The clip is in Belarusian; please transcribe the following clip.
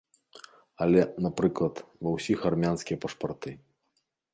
Але, напрыклад, ва ўсіх армянскія пашпарты.